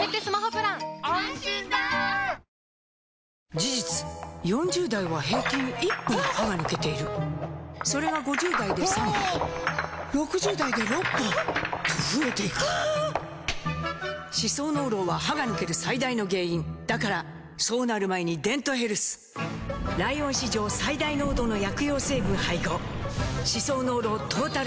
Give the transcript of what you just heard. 事実４０代は平均１本歯が抜けているそれが５０代で３本６０代で６本と増えていく歯槽膿漏は歯が抜ける最大の原因だからそうなる前に「デントヘルス」ライオン史上最大濃度の薬用成分配合歯槽膿漏トータルケア！